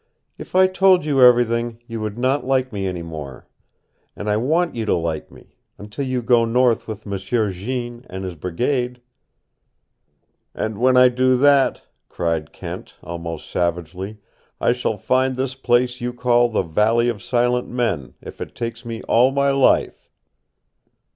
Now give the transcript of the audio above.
"If I told you everything, you would not like me any more. And I want you to like me until you go north with M'sieu Jean and his brigade." "And when I do that," cried Kent, almost savagely, "I shall find this place you call the Valley of Silent Men, if it takes me all my life."